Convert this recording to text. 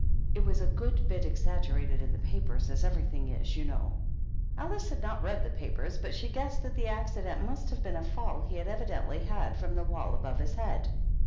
" It was a good bit exaggerated in the papers, as everything is, you know." Alice had not read the papers, but she guessed that the accident must have been a fall he had evidently had from the wall above his head.